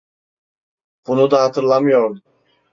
Bunu da hatırlamıyordu.